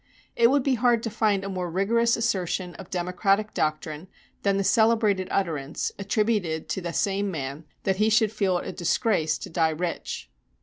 It would be hard to find a more rigorous assertion of democratic doctrine than the celebrated utterance, attributed to the same man, that he should feel it a disgrace to die rich.